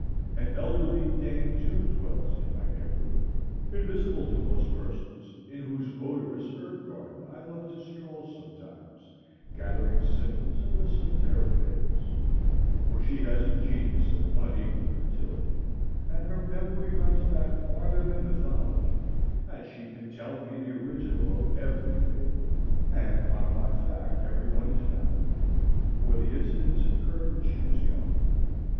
An elderly dame, too, dwells in my neighborhood, invisible to most persons, in whose odorous herb garden I love to stroll sometimes, gathering simples and listening to her fables; for she has a genius of unequalled fertility, and her memory runs back farther than mythology, and she can tell me the original of every fable, and on what fact every one is founded, for the incidents occurred when she was young.